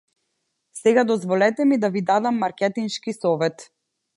Сега дозволете ми да ви дадам маркетиншки совет.